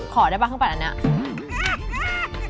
ขอได้ไหมครั่วปั่นอันนี้